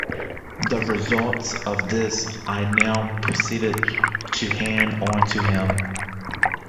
The results of this I now proceeded to hand on to him.